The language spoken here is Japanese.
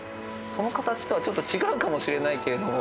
その形とはちょっと違うかもしれないけれども。